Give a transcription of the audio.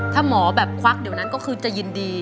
ถ้าหมอแบบควักเดี๋ยวนั้นก็คือจะยินดี